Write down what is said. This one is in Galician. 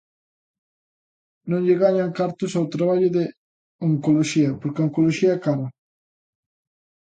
Non lle gañan cartos ao traballo de oncoloxía, porque a oncoloxía é cara.